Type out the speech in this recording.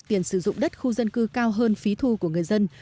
tiền sử dụng đất khu dân cư cao hơn phí thu của người dân